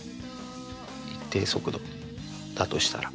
一定速度だとしたら。